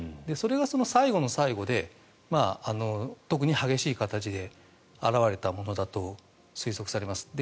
それが最後の最後で特に激しい形で現れたものだと推測されます。